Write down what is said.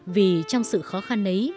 vì trong sự khó khăn ấy